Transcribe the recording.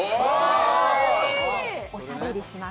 おしゃべりします。